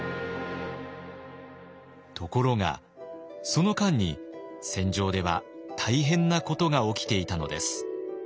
ところがその間に戦場では大変なことが起きていたのです。